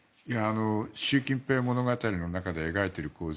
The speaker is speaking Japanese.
習近平物語の中で描いている構図